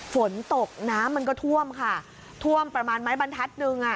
ฝนตกน้ำมันก็ท่วมค่ะท่วมประมาณไม้บรรทัศนึงอ่ะ